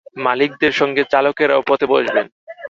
মালিকদের সঙ্গে চালকেরাও পথে বসবেন।